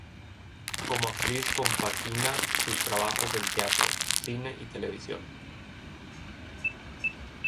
Como actriz compagina sus trabajos en teatro, cine y televisión.